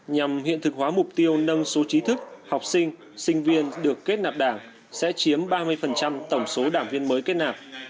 nhằm hiện thực hóa mục tiêu nâng số trí thức học sinh sinh viên được kết nạp đảng sẽ chiếm ba mươi tổng số đảng viên mới kết nạp